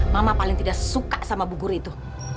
mama paling tidak suka sama bu guru itu